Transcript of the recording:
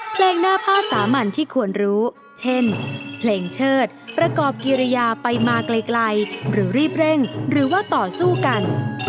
เพลงหน้าผ้าสามัญที่ควรรู้เช่นเพลงเชิดประกอบกิริยาไปมาไกลหรือรีบเร่งหรือว่าต่อสู้กัน